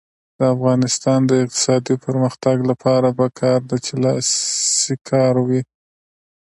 د افغانستان د اقتصادي پرمختګ لپاره پکار ده چې لاسي کار وي.